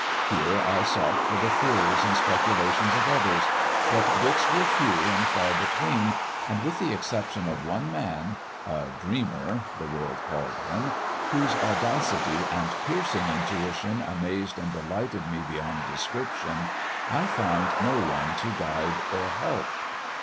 Here I sought for the theories and speculations of others. But books were few and far between, and with the exception of one man a 'dreamer,' the world called him whose audacity and piercing intuition amazed and delighted me beyond description, I found no one to guide or help.